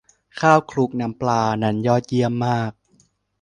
ข้าวคลุกน้ำปลา นั้นยอดเยี่ยมมาก